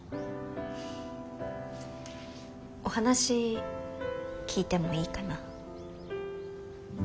お話聞いてもいいかな？